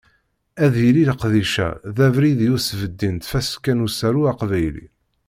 Ad yili leqdic-a d abrid i usbeddi n Tfaska n usaru aqbayli.